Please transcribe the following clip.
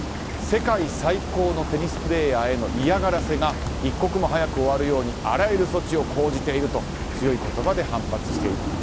世界最高のテニスプレーヤーへの嫌がらせが一刻も早く終わるように措置を講じていると強い言葉で反発している。